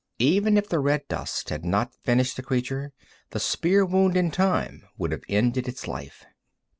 Even if the red dust had not finished the creature, the spear wound in time would have ended its life.